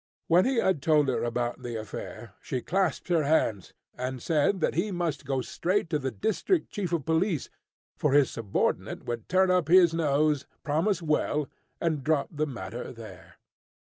When he told her about the affair, she clasped her hands, and said that he must go straight to the district chief of police, for his subordinate would turn up his nose, promise well, and drop the matter there.